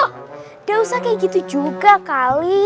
tidak usah kayak gitu juga kali